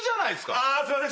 ああすいません。